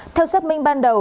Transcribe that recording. theo xác minh ban đầu